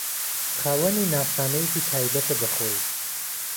خاوەنی ناسنامەیەکی تایبەتە بە خۆی